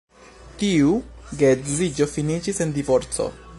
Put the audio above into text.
Tiu geedziĝo finiĝis en divorco.